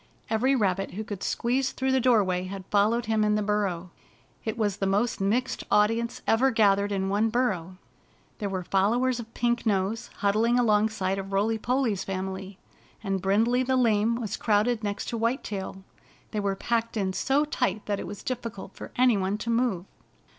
Every rabbit who could squeeze through the doorway had followed him in the burrow. It was the most mixed audience ever gathered in one burrow. There were followers of Pink Nose huddling alongside of Roily Polly's family, and Brindley the Lame was crowded next to White Tail. They were packed in so tight that it was difficult for any one to move.